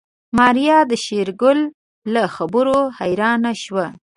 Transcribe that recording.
ماريا د شېرګل له خبرو حيرانه شوه.